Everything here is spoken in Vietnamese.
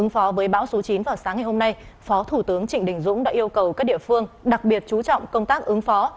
phó với bão số chín vào sáng ngày hôm nay phó thủ tướng trịnh đình dũng đã yêu cầu các địa phương đặc biệt chú trọng công tác ứng phó